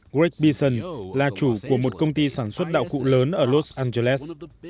greg beasson là chủ của một công ty sản xuất đạo cụ lớn ở los angeles